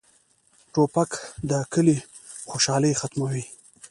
توپک د کلي خوشالي ختموي.